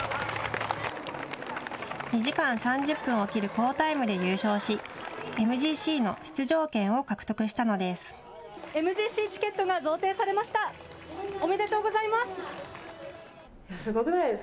２時間３０分を切る好タイムで優勝しＭＧＣの出場権を獲得したのです。